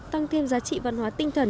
tăng thêm giá trị văn hóa tinh thần